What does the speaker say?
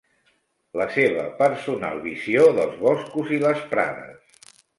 La seva personal visió dels boscos i les prades